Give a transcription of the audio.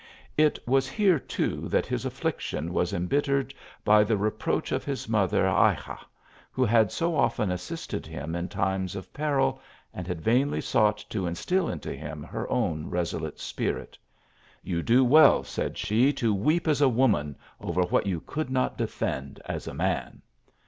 It was here, too, that his affliction was imbittered by the reproach of his mother Ayxa, who had so often assisted him in times of peril, and had vainly sought to instil into him her own resolute spirit. " You do well," said she, " to weep as a woman over what you could not defend as a man